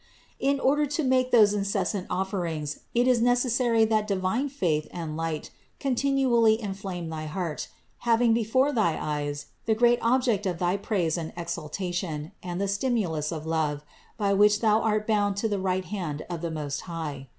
In order to make those incessant offerings, it is necessary that 484 CITY OF GOD divine faith and light continually inflame thy heart, hav ing before thy eyes the great object of thy praise and ex altation, and the stimulus of love, by which thou art bound to the right hand of the Most High.